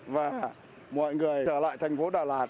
và mọi người trở lại thành phố đà lạt